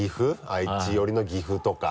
愛知寄りの岐阜とか。